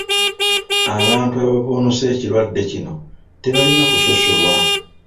Abantu abavvuunuse ekirwadde kino tebalina kusosolwa.